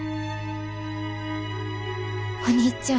お兄ちゃん。